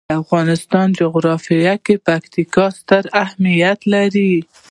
د افغانستان جغرافیه کې پکتیکا ستر اهمیت لري.